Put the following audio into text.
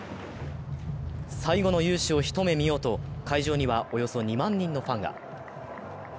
最後の雄姿をひと目見ようと、会場には、およそ２万人のファンが。